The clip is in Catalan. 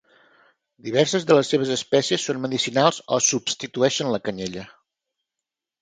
Diverses de les seves espècies són medicinals o substitueixen la canyella.